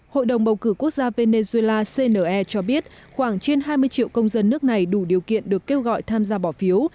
hội đồng bầu cử quốc gia venezuela cne cho biết khoảng trên hai mươi triệu công dân nước này đủ điều kiện được kêu gọi tham gia bỏ phiếu